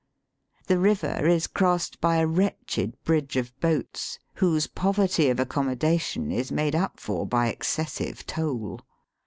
The river is crossed by a woretched bridge of boats, whose poverty of accommodation is made up for by excessive toll.